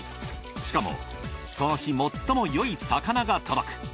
しかもその日最もよい魚が届く。